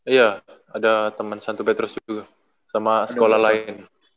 iya ada temen santo petrus juga sama sekolah lain